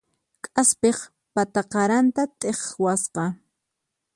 K'aspiq pata qaranta t'iqwasqa.